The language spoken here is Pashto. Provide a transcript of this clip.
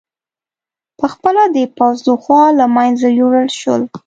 په خپله د پوځ له خوا له منځه یووړل شول